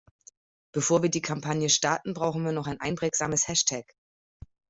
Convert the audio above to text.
Bevor wir die Kampagne starten, brauchen wir noch ein einprägsames Hashtag.